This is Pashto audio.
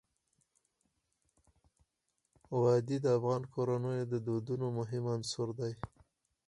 وادي د افغان کورنیو د دودونو مهم عنصر دی.